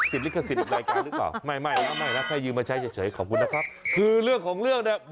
ทำได้ไหมทำได้หรือเปล่า